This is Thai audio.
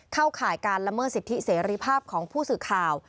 ข่ายการละเมิดสิทธิเสรีภาพของผู้สื่อข่าว